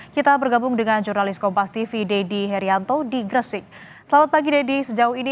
kita bergabung dengan jurnalis kompas tv dedy herianto di gresik selamat pagi deddy sejauh ini